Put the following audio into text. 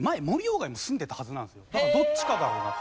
確かだからどっちかだろうなって。